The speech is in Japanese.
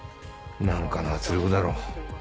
何かの圧力だろ。